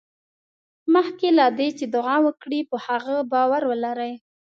مخکې له دې چې دعا وکړې په هغې باور ولرئ.